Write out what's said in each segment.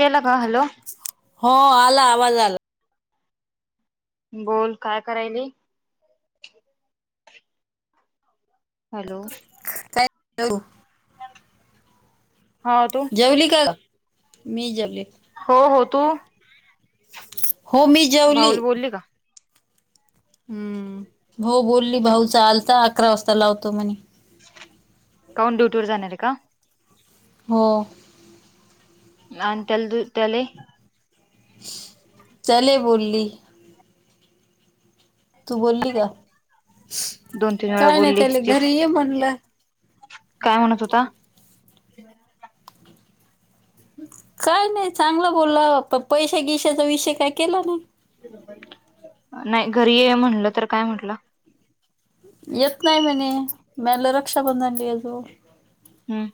गेला का? हॅलोऽ हो आला आवाज आला. बोल, काय करायली? हॅलो! काय करू? हां तो जेवली का? मी जेवले. हो हो तू? हो मी जेवली. भाऊल बोलली का हम्म हो बोलली भाऊचा आलता अकरा वाजता लावतो म्हणे. काहून ड्युटीवर जाणारय का? हो. आण तेल दु त्याले? त्याले बोलली. तू बोलली का, दोन तीन वेळा काय नाही बोलली त्याला घरी ये म्हणलं. काय म्हणत होता? [inaudible] काय नाही चांगलं बोलला पण पैशा घिशाचा विषय काय केला नाही? नाही घरी ये म्हणलं तर काय म्हटला? येत नाय म्हणे, म्या म्हणल रक्षाबंधनला ये जो. हम्म.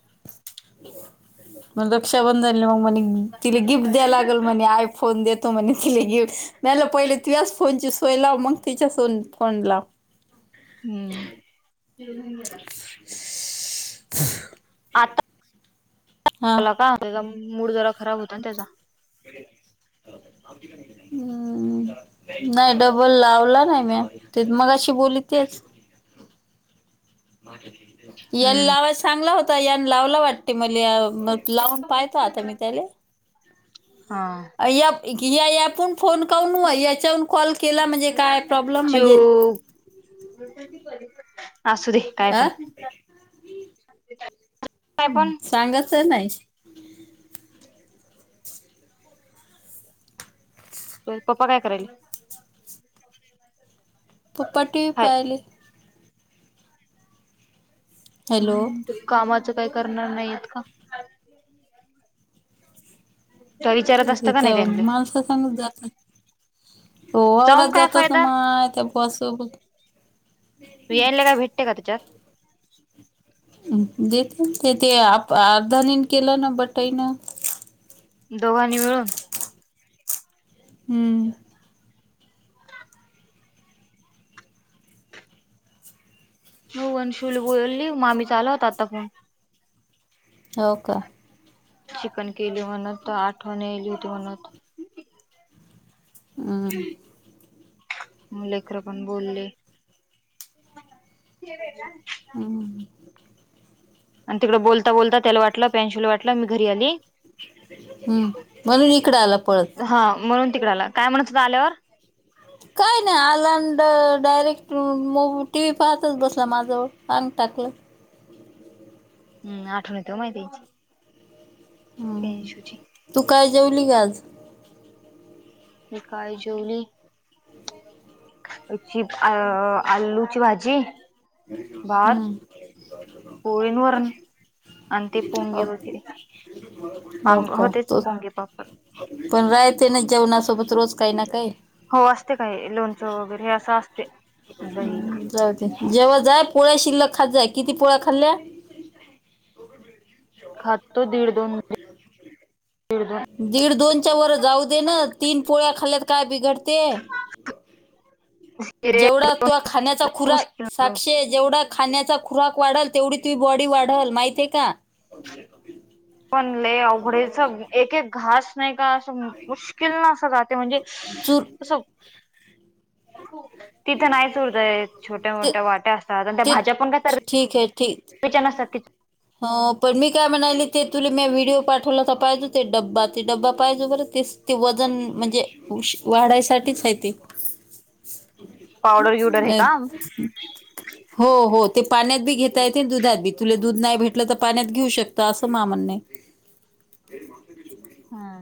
मग रक्षाबंधनला मग म्हणे तिला गिफ्ट द्याय लागल म्हणे आय फोन देतो म्हणे तिला गिफ्ट म्या म्हणल पहिले तुझ्याच फोनची सोय लाव मग तिच्या सोन फोन लाव. [inaudible] तेल घेऊन गेला. [inaudible] आता [unintelligible] हा काय होतय ग मूड जरा खराब होता ना त्याचा. [inaudible] हम्म. नाही डबल लावला नाही म्या ते मगाशी बोलली तेच. यल हम्म लावा चांगला होता यान लावला वाटते मल्या मग लावून पाहयतो मी आता त्याले. हा या या यापून फोन काऊन याच्या ऊन कॉल केला म्हणजे काय प्रॉब्लेम चिव म्हणजे? [unintelligible] असू दे काय पण? हा सांगत नाय. [inaudible] होय पप्पा काय करायले? [inaudible] पप्पा टी व्ही हाय पाहायले. हॅलो! कामाचं काय करणार नाहीयेत का? त्वा विचा त्या माणसा संगच जात. हो वावरात जाऊन काय जातोस ना फायदा माय त्या [unintelligible] यायला काय भेटतय का त्याच्यात? देतेन ते ते आप धनीन केलं ना बटाईनं. दोघांनी मिळून? हम्म. शीव, वनशुली बोलली मामीचा आला होता आता फोन. हो का. चिकन केल म्हणत होत आठवण यायली होती म्हणत हम्म. मु लेकर पण बोलले. हम्म आणि तिकडं बोलता बोलता त्याला वाटलं प्रियाशु ला वाटलं मी घरी आली. हम्म म्हणून इकडे आला पळत. हा म्हणून तिकड काय म्हणत होता आल्यावर. काय नाही आलांन डायरेक्ट मो टी व्ही पाहतच बसला माझं जवळ आंग टाकीत. हम् आठवण येत मायतीची. हम्म प्रीयानशूची. तू काय जेवली का आज. मी काय जेवली. ही या अ आलूची भाजी. भात हम्म पोळी आणि वरण आणि ते पोंगे वगैरे होव हो पांग का होतेच पोंगे पापड पण राहते ना जेवणासोबत रोज काही ना काही. हो असते काय लोणचं वगैरे हे असं असते. दही हम्म जाऊदे जेवात जाय पोळ्या शिल्लक खात जाय, किती पोळ्या खाल्ल्या? खाततो दीड दोन म दीड दोन. दीड दोनच्या वर जाऊ दे ना तीन पोळ्या खाल्त काय बिघडते. ते ते जेवढा तु खाण्याचा खुरा मुश्किल दोन. साक्षे जेवढा खाण्याचा खुराक वाढल तेवढी तु बॉडी वाढल माहितीे का. [inaudible] पण लय अवघडेच एक एक घास नाही का. मुश्किलीन अस जातंय जे म्हणजे चूर अस. तिथं नाहीच उरतंय छोट्या ते मोठ्या वाट्या असतात आणि त्या ते भाज्या पण कायत ठीक आहे ठीक. विच नसतात. [inaudible] हो पण मी काय म्हणाले ते तुला मी व्हिडिओ पाठवला तर पाहिजे ते ड्बा ते ड्बा पाहिजे बरं तेच. ते वजन म्हणजे वाढायसाठीच आहे ते. पावडर गिवडर हे का [inaudible] हो हो ते पाण्यात बी घेता येते दुधात बी तुला दूध नाही भेट तर पाण्यात घेऊ शकत अस मा म्हण. हा.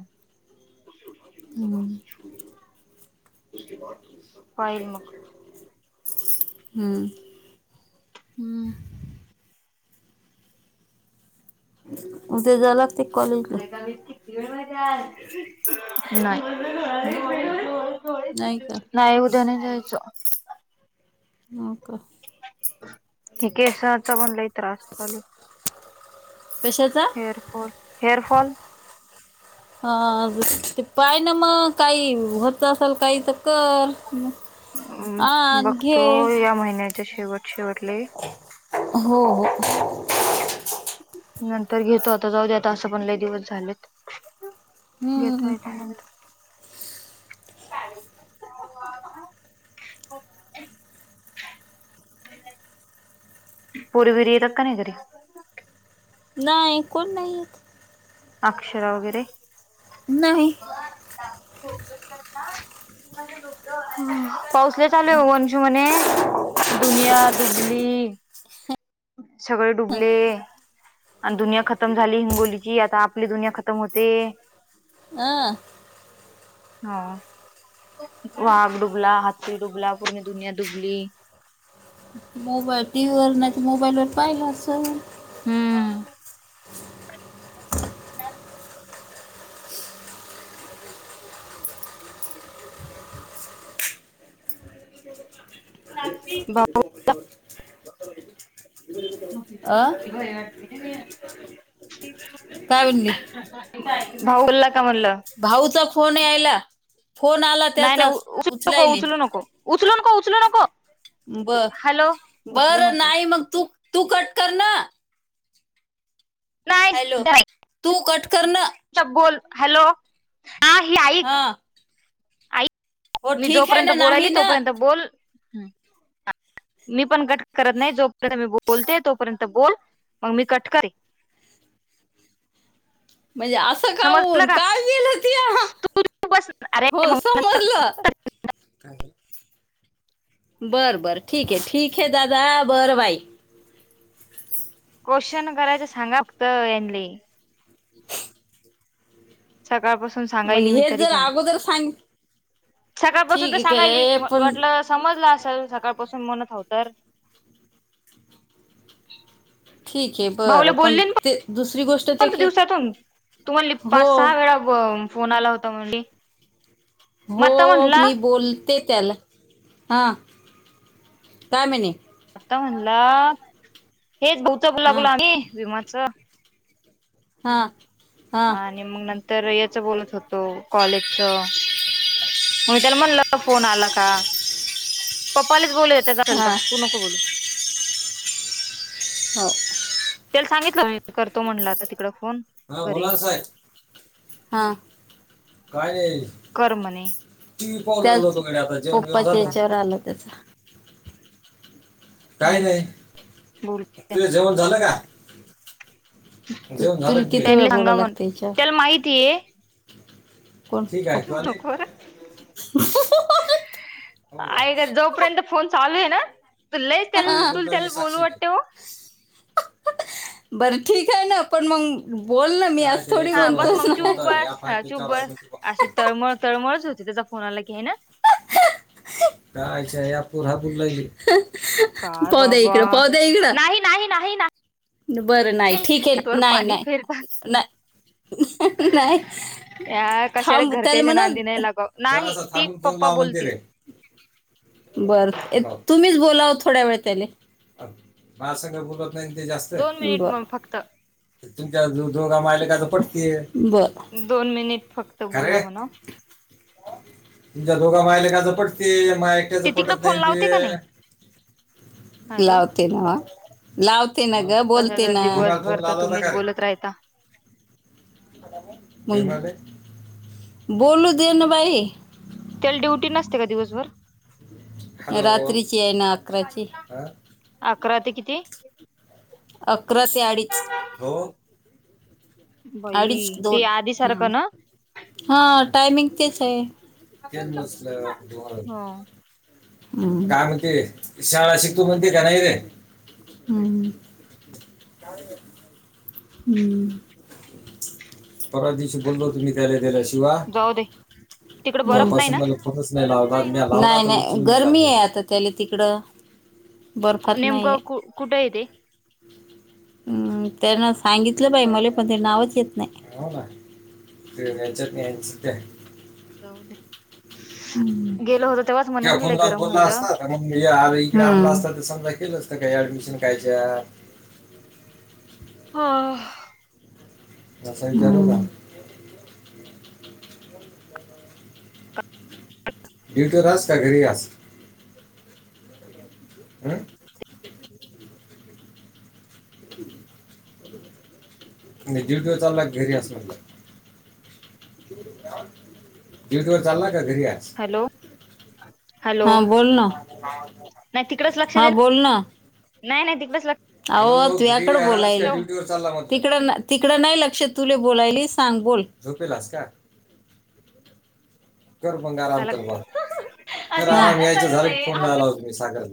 हम्म. [inaudible] कोलमुख [inaudible] हम्म. हम्म. उद्या झाला. [inaudible] नाही. हम्म नाही का [inaudible] नाही उद्या नाही जायचं. हो का. हे केसचा पण लाय त्रास होता. कशाचा? Hair fall hair fall. हा ते पाय ना मग काही व्हतं असेल काही तर कर. अम्म आण बघतो घे. या महिन्याच्या शेवट शेवटले. हो हो. नंतर घेतो आता जाऊ दे आता असं पण लय दिवस झालेत. हम्म घेतोय त्यानंतर पोर घरी येतात का नय कधी? नाय कोण नाय येत. अक्षर वगैरे. नाही. पाऊस लय चालू ओ वन जूने दुनिया डुबली. सगळे डुबले आणि दुनिया खतम झाली हिंगोलीची आता आप ली दुनिया खतम होते. अ हा वागडुक म्हणलं हा हाती डुबला पुर्णी दुनिया दुबली. मोबाईल टी व्ही वर नाही तर मोबाईल वर पाहिला असं. हम्म. [unintelligible] अ [unintelligible] काय म्हणाली? भाऊ बोलला का म्हणलं? भाऊचा फोन यायला फोन आला त्याचाच उचलायले. उचलून नको उचलू नको. ब हॅलो उचलू बरं नको नाही मग तू तू कट कर ना. नाही हॅलो! तू कटकर ना. च बोल हॅलो आ ही आईक. हा हो मी ठीक आहे जोपर्यंत ना नाही बोलायली ना तोपर्यंत बोल. मी पण कट करत नाही जोपर्यंत मी बोलते तोपर्यंत त बोल मग मी कट करेन. म्हणजे असं समजलं काऊन? का काय केलं ती हा? तू बस अरे मग होस नंतर सजलं. बरं बरं ठीक ठिक हे दादा बरं बाई. क्वेश्चन करायच सांगा फक्त याणले. [inaudible] सकाळपासून सून मग सांगाली मी हे तरी जर पण अगोदर सांग सकाळपासून त ठीक सांगायली आहे वा पण वाटलंस समजलं असेल सकाळपासून म्हणत हावतर? ठीक आहे भाऊला बरं पण बोलली ते दुसरी गोष्ट ते पण के दिवसातून तुम्हाला हो पाच सहा वेळा फो फोन आला होता म्हणली. मग हो आता म्हणला मी बोलते त्याला. हा काय म्हणे? आता म्हणला हेच [inaudible] हा लागलो आम्ही विमाचं हा हा! आणि मग नंतर याचं बोलत होतो कॉलेजचं. मग त्याला म्हणलं फोन आला का? पप्पालेच बोलूदे त्याच असेल तर, हा तू नको बोलू. हो [inaudible] त्याला सांगितलं मी, करतो म्हटलं आता तिकड फोन. हा बोला घरी ना साहेब, हा काय नाय. कर म्हणे. पप्पा त्याच्यावर आला त्याचा [inaudible] काही नाही, बोल तुझे जेवण झालं का? जेवण झालं. किती वेळा त्यांनी सांगा बोलायला म्हण लागत विचार. त्याला माहितीय कोण ठीक आहे तू आली [unintelligible] ऐ का जोपर्यंत फोन चालू आहे ना लय त्याला चुलत्याला बोलू वाटते हो. बर ठीक आहे ना, पण मंग बोल ना मी अस थोडी हा बस बोलतोस मग चूप बस हा चूप बस अशी [inaudible] तळमळ, तळमळच, होती त्याच्या फोनाला की आहे ना. कायच [inaudible] [unintelligible] काय दया बाबा इकडं नाही नाही नाही ना बरं नाही ठीक आहे, नाही पाणी नाही फिरतात नाही नाही,, या कशाला थांब त्याला घरच्याच्या म्हणा, नांदी नाही लागाव नाही जरास ती थांबून फोन पप्पा लाव म्हणते बोलतील रे. बर, तुम्हीच बोला ओ थोड्या वेळ त्याले. माझ संग बोलत नाही, ते जास्त दोन मिनिट बर, मग फक्त तुमच्या दोघा मायलेकच पटतेय. बर दोन मिनिट फक्त बोला खरे म्हणाव. तुमच्या दोघा मायलेकच पटतंय, माय ते तिकडे फोन लावते का नाही हॅलो [unintelligible] ना, लावते ना ग बोलते कशाचा ना. दिवसभर तर [unintelligible] [unintelligible] बोलू देन बाई, त्याला ड्युटी नसते का दिवसभर? रात्रीची आहे ना, अकराची. अकरा ते किती? अकरा ते अडीच. हो बाई अडीच- ते दोन, आधी सारखं हम ना हा टायमिंग तेच आहे. हो ह, काय म्हणते शाळा शिकतो म्हणते का नाही रे? [unintelligible] [unintelligible] हम, परवा दिवशी बोललो होतो. मी त्याला दिल्या शिव्या, जाऊ दे तिकडे बर्फ नाही तेव्हापासून ना मला फोनच नाही बरफ लावला ना म्या लावला, नाहीं- नाही गरमी आहे आता त्याला तिकडं, बर्फात नाहीय. नेमकं कु कुठं आहे ते हम्, त्यांना सांगितलं बाई मले पण ते नावच येत नाही, हो ना. ते याच्यात नाहीच त्या जाऊ दे. [inaudible] ह गेलो होतो तेव्हाच म्हणे त्या ना फोन लय लावून गरम बोला होईल असता. कार अर इ [unintelligible] असता तर समजा केलं असतं का ऍडमिशन कायच्या हां [unintelligible] ड्युटीवर आहेस का घरी आहेस. अं नाही ड्युटीवर चाला का घरी आहेस म्हणल? ड्युटी वर चाला का घरी हाय? हॅलो हॅलो बोल ना नाही तिकडच लक्ष हा दे ना. नाही नाही तिकडेच लक्ष आओ तूयाकड बोलाय तिकड तिकड नाही लक्ष तुले बोलायली सांग बोल. [inaudible] त्याला अशी रागात सांगत आहे हां